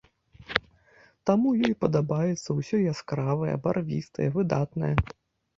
Таму ёй падабаецца ўсё яскравае, барвістае, выдатнае.